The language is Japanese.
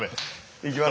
いきます。